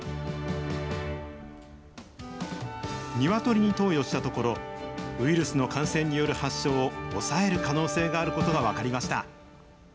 鶏に投与したところ、ウイルスの感染による発症を抑える可能性があることが分かりました。